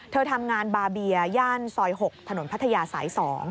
เธอทำงานบาเบียย่านซอย๖ถนนพัทยาสาย๒